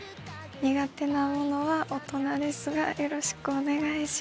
苦手なものは大人ですがよろしくお願いします。